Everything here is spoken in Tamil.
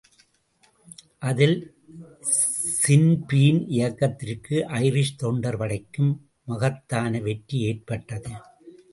அதில் ஸின்பீன் இயக்கத்திற்கும் ஐரிஷ் தொண்டர்படைக்கும் மகத்தான வெற்றி ஏற்பட்டது.